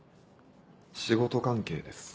仕事関係です。